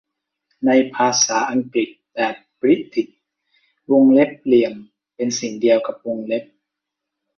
ในภาษาอังกฤษแบบบริติช วงเล็บเหลี่ยมเป็นสิ่งเดียวกับวงเล็บ